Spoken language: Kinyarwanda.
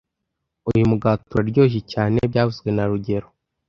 Uyu mugati uraryoshye cyane byavuzwe na rugero